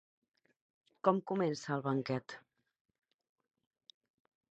Com comença el "Banquet"?